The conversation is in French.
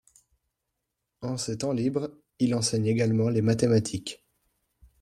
En ses temps libres il enseigne également les mathématiques.